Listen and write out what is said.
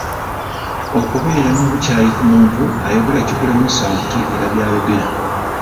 Okubeera n'obukyayi ku muntu ayogera kikulemesa okutegeera by'ayogera.